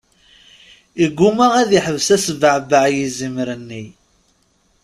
Iguma ad iḥbes asbeɛbeɛ yizimer-nni.